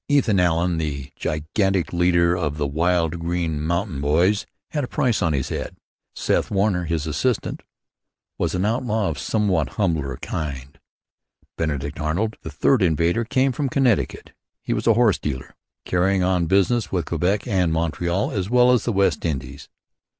Ethan Allen, the gigantic leader of the wild Green Mountain Boys, had a price on his head. Seth Warner, his assistant, was an outlaw of a somewhat humbler kind. Benedict Arnold, the third invader, came from Connecticut. He was a horse dealer carrying on business with Quebec and Montreal as well as the West Indies.